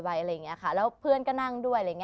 อะไรอย่างเงี้ยค่ะแล้วเพื่อนก็นั่งด้วย